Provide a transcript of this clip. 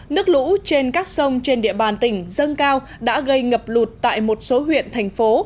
nước lũ trên các sông trên địa bàn tỉnh dâng cao đã gây ngập lụt tại một số huyện thành phố